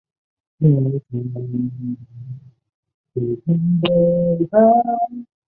茅利塔尼亚的奴隶制度是摩尔人持续已久社会的阶级制度。